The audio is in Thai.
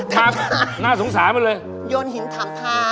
คราแทกน่าสงสารไปเลยยนย์หินทำพิจารณ์